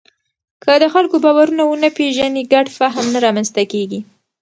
که د خلکو باورونه ونه پېژنې، ګډ فهم نه رامنځته کېږي.